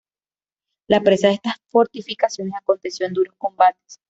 La presa de estas fortificaciones aconteció en duros combates.